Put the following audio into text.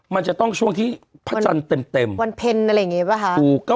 มันจะต้องที่พระจันทร์เต็มเต็มวันเพลอะไรอย่างเงี้ยปะค่ะ